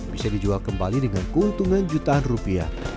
bisa dijual kembali dengan keuntungan jutaan rupiah